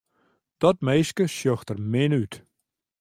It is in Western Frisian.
Dat minske sjocht der min út.